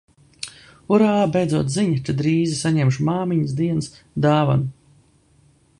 Urā, beidzot ziņa, ka drīzi saņemšu māmiņas dienas dāvanu.